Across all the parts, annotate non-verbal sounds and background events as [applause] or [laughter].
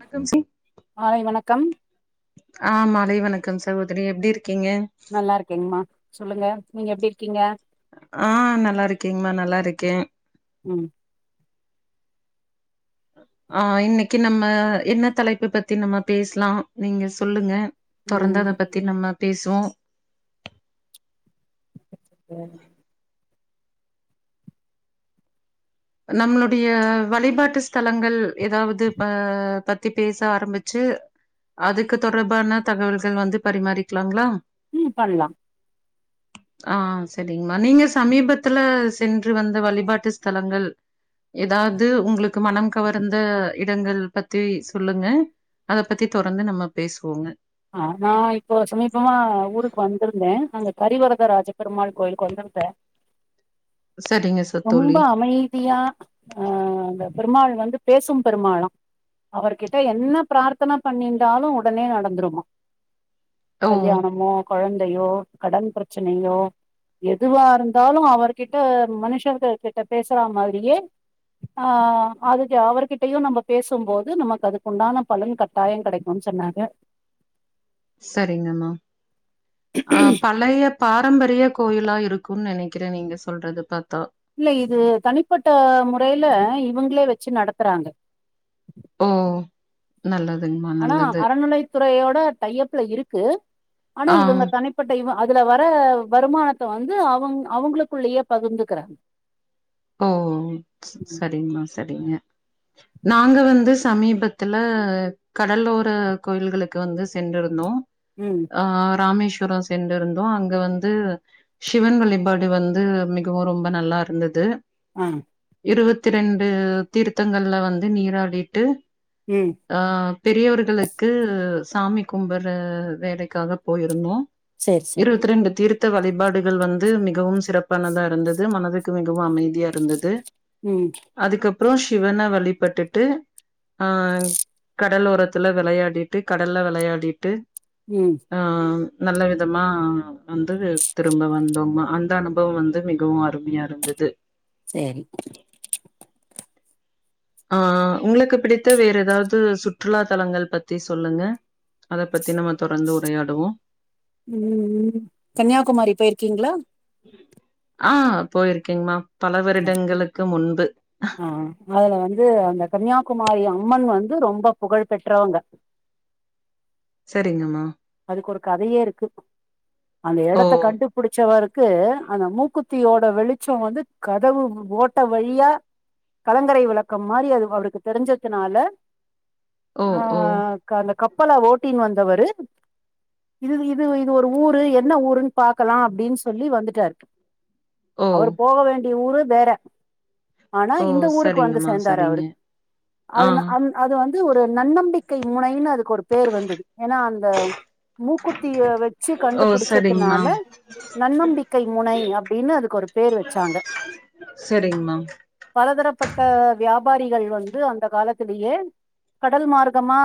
வணக்கம் சி மாலை வணக்கம் ஆ மாலை வணக்கம் சகோதரி எப்டி இருக்கீங்க நல்லா இருக்கேங்கமா சொல்லுங்க நீங்க எப்டி இருக்கீங்க ஆ நல்லா இருக்கேங்ம்மா நல்லாருக்கே ம் அ இன்னைக்கு நம்ம என்ன தலைப்ப பத்தி நம்ம பேஸ்லா நீங்க சொல்லுங்க தொடர்ந்து ம் அத பத்தி நம்ம பேசுவோ ஏ நம்மளுடைய வழிபாட்டு ஸ்தலங்கள் ஏதாவ்து ப பத்தி பேச ஆரம்பிச்சு அதுக்கு தொடர்பான தகவல்கள் வந்து பரிமாறிக்கலாங்ளா ம் பண்லா ஆ செரிங்மா நீங்க சமீபத்துல சென்று வந்த வழிபாட்டு ஸ்தலங்கள் ஏதாவ்து உங்குளுக்கு மனம் கவர்ந்த இடங்கள் பத்தி சொல்லுங்க அத பத்தி தொடர்ந்து நம்ம பேசுவோங்க ஆ நா இப்போ சமீபமா ஊருக்கு வந்திருந்தே அங்க கரிவரத ராஜபெருமாள் கோயிலுக்கு வந்திருந்தே சரிங்க ச தோழி ரொம்ப அமைதியா அ அந்த பெருமாள் வந்து பேசும் பெருமாளா அவர்கிட்ட என்ன பிரார்த்தன பண்ணின்டாலு உடனே நடந்துருமா ஓ கல்யாணமோ கொழந்தையோ கடன் பிரச்சனையோ எதுவாருந்தாலு அவர்கிட்ட மனுஷர்கள் கிட்ட பேசுறா மாரியே ஆ அதுக்கு அவர்கிட்டயையு நம்ப பேசும்போது நமக்கு அதுக்குண்டான பலன் கட் டாயங் கெடைக்கூன் சொன்னாங்க சரிங்கமா அ பழையப் பாரம்பரிய கோயிலா இருக்குன் நெனைக்கிறே நீங்க சொல்றது பார்த்தா இல்ல இது தனிப்பட்ட முறையில இவுங்களே வச்சு நடத்துறாங்க ம் நல்லதுங்மா ஆனா அறநிலையத் துறையோட டையப்ல இருக்கு ஆனா ஆ இவுங்க தனிப் பட்ட இவு அதுல வர வருமானத்த வந்து அவுங் அவுங்களுக்குள்ளயே பகிந்துக்கிறாங்க [inaudible] ஓ சரிங்மா சரிங்க நாங்க வந்து சமீபத்துல கடலோர கோயில்களுக்கு வந்து சென்றிருந்தோ ம் ஆ ராமேஸ்வரொ சென்றுரிந்தோ அங்க வந்து சிவன் வழிபாடு வந்து மிகவு ரொம்ப நல்லாருந்தது ஆ இருவத்தி ரெண்டு தீர்த்தங்கள்ல வந்து நீராடிட்டு ம் ஆ பெரியவர்களுக்கு சாமி கும்பற வேலைக்காக போயிருந்தோ சரி சரி இருவத்தி ரெண்டு தீர்த் த்த வழிபாடுகள் வந்து மிகவும் சிறப்பானதா இருந்தது மனதுக்கு மிகவு அமைதியா இருந்தது ம் அதுக்கப்புறோ சிவன வழிபட்டுட்டு ஆ கடலோரத்துல வெளையாடிட்டு கடல்ல வெளையாடிட்டு ம் ஆம் நல்ல விதமா வந்து திரும்ப வந்தோமா அந்த அனுபவொ வந்து மிகவு அருமையா இருந்தது சேரி ஆ உங்களுக்கு பிடித்த வேற எதாவ்து சுற்றுலா தலங்கள் பத்தி சொல்லுங்க அத பத்தி நம்ம தொடர்ந்து உரையாடுவோ ம் ம் கன்னியாகுமாரி போயிருக்கீங்ளா ஆ போயிருக்கேங்மா பல வருடங்களுக்கு முன்பு ஆ அதுல வந்து அந்த கன்னியாகுமாரி அம்மன் வந்து ரொம்ப புகழ் பெற்றவங்க செரிங்கம்மா அதுக்கு ஒரு கதயேருக்கு அந்த ஓ எடத்த கண்டுப் புடிச்சவருக்கு அந்த மூக்குதியோட வெளிச்சொ வந்து கதவு ஓட்ட வழியா கலங்கரை விளக்கம் மாரி அது அவருக்கு தெரிஞ்சதுனால ஓ ஆ ஓ க அந்த கப்பல ஓட்டினு வந்தவரு இது இது இது ஒரு ஊரு என்ன ஊருன்னு பாக்கலா அப்டின்னு சொல்லி வந்துட்டாரு ஓ அவர் போக வேண்டிய ஊரு வேற ஆனா ஓ இந்த ஊருக்கு வந்து சரிங்கம்மா சேந்தாரு சரிங்க அவரு ஆ அதுனா அந் அது வந்து ஒரு நன்னம்பிக்கை முனைன்னு அதுக்கு ஒரு பேர் வந்தது ஏன்னா அந்த மூக்குத்திய வச்சி ஓ சரிங்கம்மா கண்டுபிடுச்சதுனால நன்னம்பிக்கை முனை அப்டின்னு அதுக்கு ஒரு பேர் வச்சாங்க செரிங்கமா பலதரப்பட்ட வியாபாரிகள் வந்து அந்த காலத்லயே கடல் மார்கமா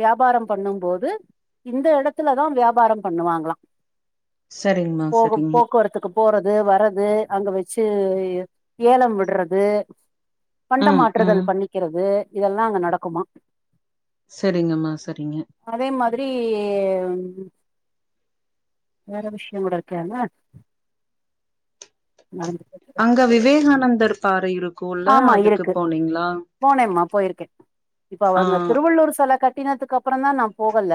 வியாபாரம் பண்ணும் போது இந்த எடத்துலதா வியாபாரம் பண்ணுவாங்களா சரிங்கம்மா போக சரிங்க போக்குவரத்துக்கு போறது வர்றது அங்க வச்சி ஏலம் விட்றது ம் ம் பண்டமாற்றுதல் பண்ணிகிறது இதெல்லா அங்க நடக்குமா செரிங்கம்மா சரிங்க அதே மாதிரி வேற விஷயோ கூட இருக்கே அங்க நடந்துகிறது அங்க விவேகானந்தர் பாறை இருக்குல்ல ஆமா அதுக்கு இருக்கு போனீங்களா போனேம்மா போயிருக்கே இப்ப ஆ அவங்க திருவள்ளூவர் செல கட்டினதுக்கு அப் றந்தா நா போகல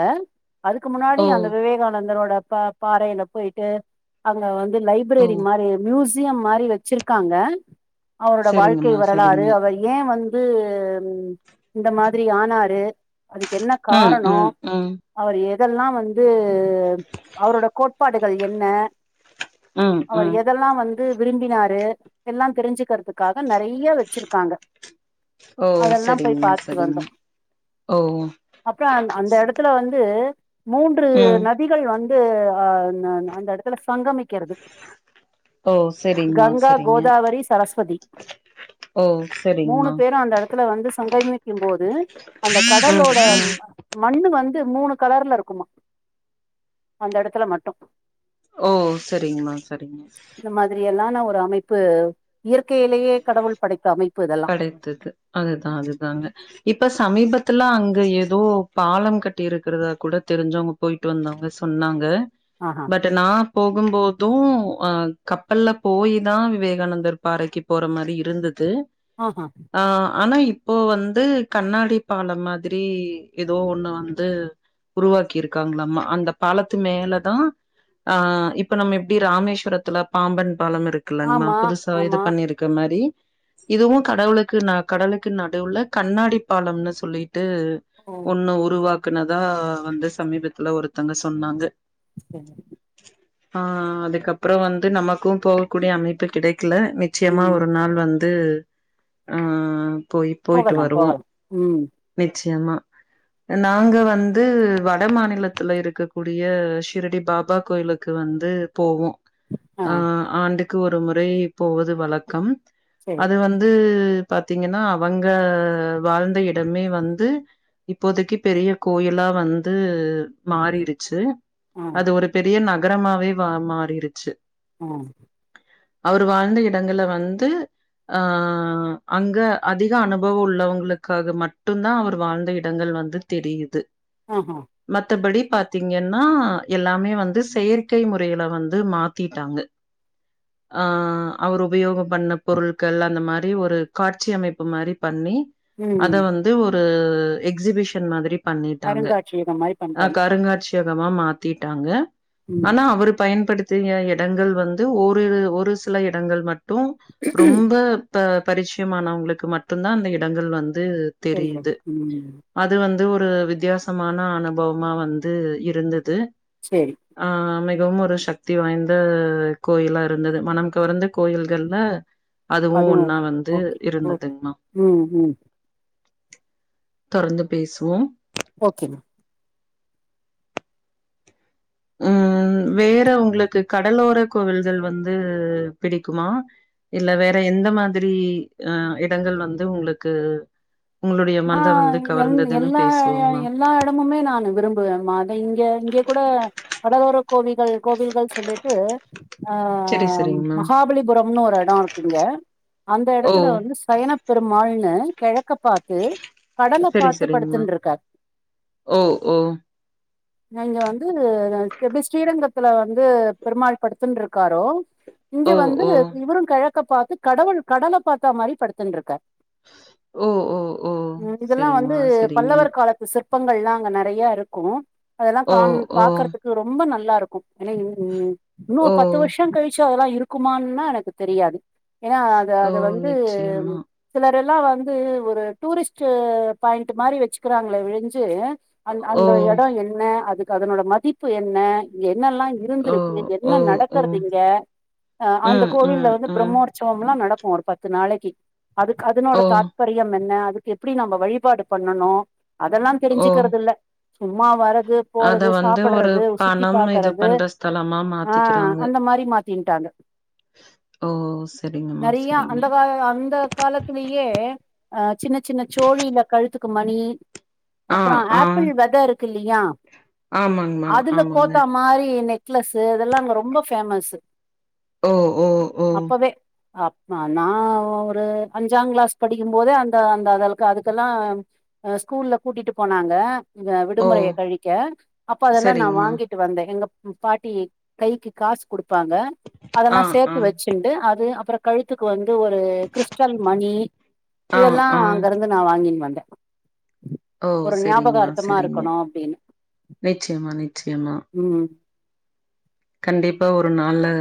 அதுக்கு முன்னாடி ஓ அந்த விவேகானந்தர் ஓட பா பாறேல போயிட்டு அங்க வந்து ஓ லைப்ரேரி மாரி மியூசியம் மாரி வச்சிருக்காங்க அவரோட வாழ் சரிங்கம்மா சரிங்க க ஏ வந்து இந்த மாதிரி ஆனாரு அதுக்கு என்ன ம் காரணோ ம் ம் அவரு எதெல்லா வந்து அவரோட கோட்பாடுகள் என்ன ம் அவர் ம் எதெல்லா வந்து விரும்பினாரு எல்லா தெரிஞ்சிகிறதுக்காக நெறை ய வச்சிருக்காங்க ஓ அதெல்லா போய் சரிங்கம்மா பாத்துட்டு வந்தோ சரிங்க ஓ அப்பறோ அந் அந்த இடத்துல வந்து மூன்று ம் ந திகள் வந்து அ ந அந்த எடத்துல சங்கமிக் கிறது ஓ சரிங்கம்மா கங்கா சரிங்க கோதாவரி சரஸ்வதி ஓ சரி மூணு பேரு அந்த எடத்துல வந்து சங்கமிக்கும் போது அந்த ம் கடலோட ம் மண்ணு வந்து மூணு கலர்ல இருக்குமா அந்த எடத்துல மட்டு ஓ சரிங்கமா சரிங்க மாதிரி எல்லான ஒரு அமைப்பு இயற்கையிலயே கடவுள் படைத்த அமைப்பு இதெல் கெடைத்தது அதுதா அதுதாங்க இப்ப சமீபத்துல அங்க ஏதோ பாலம் கட்டி இருகிறதா கூட தெரிஞ்சவங்க போயிட்டு வந்தவங்க சொன்னாங்க ஆஹா பட் நா போகும் போதும் ஆ கப்பல்ல போயி தா விவேகானந்தர் பாறைக்கு போற மாரி இருந்தது ஆ ஆ ஆ ஆனா இப்ப வந்து கண்ணாடி பாலம் மாதிரி ஏதோ ஒண்ணு வந்து உருவாக்கிருக்காங்களாமா அந்த பாலத்து மேலதா ஆ இப்ப நம்ம எப்டி ராமேஸ்வரத்துல பாம்பன் பாலம் இருக்குல்லங்கமா ஆமா புதுசா இது ஆமா பண்ணிருக் க்க மாரி இதுவு கடவுளுக்கு ந கடலுக்கு நடுவுலக் கண்ணாடி பாலம்னு சொல்லிட்டு ஓ ஒன்னு உருவாக்கனதா வந்து சமீபத்ல ஒருத்தங்க சொன்னாங்க சேரி ஆ அதுக்கப்பறோ வந்து நமக்கு போகக் கூடிய அமைப்பு கிடைக்ல மெக் ச்சயமா ம் ஒரு நாள் வந்து ஆ போய் போயிட்டு போகலாம் வருவோ போகலாம் ம் நிச்சயமா நாங்க வந்து வட மாநிலத்துல இருக்க கூடிய ஷிரடி பாபா கோயிலுக் க்கு வந்து போவோ ஆ ஆண்டுக்கு ஒரு முறை போவது வழக்கம் செரி அது வந்து பாத்தீங்கனா அவங்க வாழ்ந்த இடமே வந்து இப்போதைக்கு பெரிய கோயிலா வந்து மாறிருச்சு ஆ அது ஒரு பெரிய நகரமாவே வா மாறிருச்சு ம் அவரு வாழ்ந்த இடங்கள வந்து ஆ அங்க அதிக அனுபவ உள்ளவங்களுக்காக மட்டுந்தா அவர் வாழ்ந்த இடங்கள் வந்துத் தெரியுது ஆ ஆ மத்தபடி பாத்தீங்கன்னா எல்லாமே வந்து செயற்கை முறையில வந்து மாத்திட்டாங்க ஆ அவரு உபயோக பண்ண பொருள் கள் அந்த மாரி ஒரு காட்சி அமைப்பு மாரி பண்ணி அத ம் வந் து ஒரு எக்ஸிபிஷன் மாதிரி பண்ணிட்டாங்க அருங்காட்சியகம் மாதிரி அ பண்ணிட்டாங்க கருங்காட்சி யகமா மாத்திட்டாங்க ம் ஆனா அவருப் பயன்படுத் த்திய இடங்கள் வந்து ஒரிரு ஒரு சில இடங்கள் மட்டு ரொம்ப ப பரிச்சியமானவங்ளுக்கு மட்டுந்தா அந்த இடங்கள் வந்து தெரியாது தெரியிது ம் அது வந்து ஒரு வித்யாசமான அனுபவமா வந்து இருந்தது சேரி ஆ மிகவும் ஒரு சக்தி வாய்ந்த கோயிலா இருந்தது மனம் கவர்ந்த கோயில்கள்ல அதுவு ஒன்னா அதுவும் வந்து ஓகே ஓகே இருந்ததுங்மா ம் ம் தொறந்து பேசுவோ ஓகே ம ம் வேற உங்ளுக்கு கடலோரக் கோவில்கள் வந்து பிடிக்குமா இல்ல வேற எந்த மாதிரி அ இடங்கள் வந்து உங்ளுக்கு ஆ எங் எல்லா எ பேசுவோங்கம்மா. எல்லா எடமுமே நானு விரும் புவேமா அத இங்க இங்கியேக் கூட கடலோரக் கோவில்கள் கோவில்கள் சொல்லிட்டு அ சரி, சரிங்கம்மா. மகாபலிபுரம்னு ஒரு எடோ இருக்கு இங்க அந்த ஓ! எடத்துல வந்து சைனப் பெருமாள்னு கெழக்க பாத் து கடலப் சரி, பாத்து சரிங்கம்மா. படுத்துன்ருக்கார் ஓ! ஓ! அ இங்க வந்து எப்டி ஸ்ரீரங்கத்தல வந்து பெருமாள் படுத்துன்ருக்காரோ இங்க ஓ! வந்து ஓ! இவருங் கெழக்கப் பாத்துக் கடவுள் கடலப் பாத்தா மாரி படுத்துன்ருக்கார் ஓ ஓ ஓ! ம் இதெல்லா வந்து சரிங்கம்மா, சரிங்க. பல்லவர் காலத்து சிற் ப்பங்கள்லா அங்க நெறய இருக்கு அதெல்லா ஓ! காண் ஓ! பாக்கறதுக் ரொம்ப நல்லாருக்கு என இன் இன்னோ ஓ! பத்து வருஷ கழிச்சு அதெல்லா இருக் குமான்னா எனக்கு தெரியாது ஏன்னா அத ஓ! அது வந்து நிச்சயமா. சிலர் எல்லா வந்து ஒரு டூரிஸ்ட் பாயிண்ட் மாரி வச்சுக்கிறாங்களே ஒழிஞ்சு அந்த ஓ! அந்த இடம் என்ன அதுக்கு அதனோட மதிப்பு என்ன இங்க என்னல்லா இருக் ஓ! ந்திருக்கு ஓ! என்ன ஓ! நடக்கறது இங்க அந்த ம், கோவில்ல ம், வந்து ம். பிரம்மோர்த் சவம்ல்லாம் நடக்கு ஒரு பத்து நாளைக்கு அதுக்கு அதனோட ஓ! தாட்பரியம் என்ன எப்டி நம்ம வழிபாடு பண்ணனு அதெல்லா ஓ! தெரிஞ்சுக்கிறது இல்ல சும்மா வரது அத போறது வந்து ஒரு சாப்டறது சுத்தி பணம் இது பாக்கறது பண்ற ஸ்தலமா ஆ மாத்திக்கிறாங்க. அந்த மாரி மாத்தின்ட்டாங்க ஓ! சரிங்கம்மா, நெறய சரிங்க. அந்த கால அந்த காலத்திலயே அ சின்ன சின்ன சோழில கழுத்துக்கு மணி ஆ, அப்பற ஆ. ஆப்பிள் வெத இருக்குல்லயா ஆமாங்கம்மா, அதுல ஆமாங்க. கோத்தாம மாரி நெக்லஸ்ஸு இதெல்லா அங்க ரொம்ப பேமஸ்ஸு ஓ! ஓ! ஓ! அப்பவே அப்ப நா ஒரு அஞ்சாங் கிளாஸ் படிக்கு போது அந்த அதுகள்க்கு அதுக்கெல்லா ஸ்கூல்ல கூட்டிட்டு போனாங்க இங்க ஓ! விடுமுறையை கழிக்க அப்ப அதெல்லா நா சரிங்கம்மா. வாங்கிட் ட்டு வந்த எங்க பாட்டி கைக்கு காசு குடுப்பாங்க அதெல்லா ஆ, ஆ. சேத்து வச்சு டிண்டு அது அப்பற கழுத்துக்கு வந்து ஒரு கிறிஸ்டல் மணி ஆ, இதெல்லா ஆ. நான் வாங்கின் வந்த ஓ சரிங்மா சரிங்க நிச்சயமா நிச்சயமா ம் கண்டிப்பா ஒரு நாளு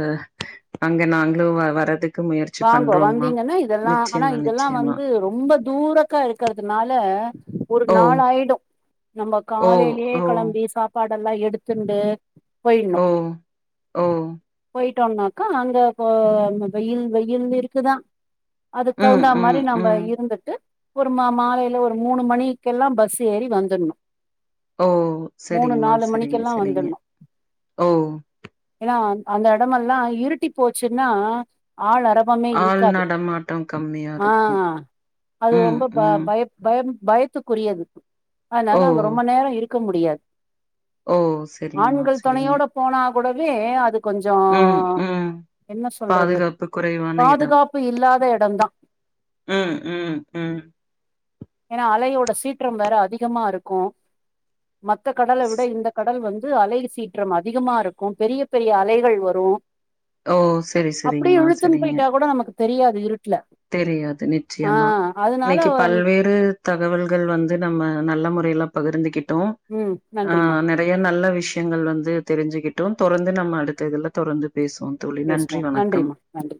அங்க நாங்களு வரதுக்கு முயற்சி வாங்கோ பண்றோங்கம்மா. வந்தீங்கன்னா இதெல்லா ஆனா நிச்சயமா, இதெல்லா நிச்சயமா. வந்து ரொம்ப தூரக்கா இருக்கிறதுனால ஒரு ஓ! நாள் ஆய்டு நம்ம ஓ! காலைலயே ஓ! கிளம்பி சாப்பாட எல்லா எடுத்துண்டு போய்ட்ண்ணு ஓ! ஓ! போயிட்டோம்னாக்கா அங்க வெயில் வெயில்னு இருக்குதா அதுக்கு ம், தகுந்தா மாரி ம், நம்ம ம். இருந்துட்டு ஒரு மா மாலைல ஒரு மூணு மணிக்கெல்லா பஸ் ஏறி வந்துர்ணு ஓ சரிங்மா சரிங்க மணிக்கெல்லா சரிங்க வந்துட்ணு ஓ ஏன்னா அந்த இடமெல்லா இருட்டி போச்சுன்னா ஆள் அர மே ஆள் இருக்காது நடமாட்டம் கம்மியா ஆ இருக்கும். அது ம், ரொம்ப ப ம். பய பயம் பயத்துக்குரியது அதனால ஓ! அங்க ரொம்ப நேர இருக்க முடியாது ஓ! சரிங்கம்மா, ஆண்கள் சரிங்க. துணையோட போனா கூடவே அதுக்கு கொஞ்சோ என்ன சொல்றது து குறைவா பாதுகாப்பு இல்லாத எடந்தா ம், ம், ம். ஏன்னா அலையோட சீற்றம் வேற அதிகமா இருக்கு மத்த கடல விட ஸ் இந்த கடல் வந்து அலை சீற்றம் அதிகமாருக்கு பெரிய பெரிய அலைகள் வரு ஓ சரி சரிங்மா சரிங்க போயிட்டா கூட நமக்கு தெரியாது இருட்ல தெரியாது நிச்சயமா இன்னைக்கு பல்வேறு தகவல்கள் வந்து நம்ம நல்ல முறைல பகிர்ந்துகிட்டோ ம் நன்றிமா நெறய நல்ல விஷயங்கள் வந்து தெரிஞ்சுக்கிட்டோ தொடர்ந்து நம்ம அடுத்த இதுல தொடர்ந்து பேசுவோ தோழி நன்றி பேசுவோம் வணக்கம் நன்றிம்மா நன்றி